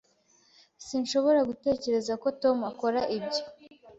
Sinshobora gutekereza ko Tom akora ibyo.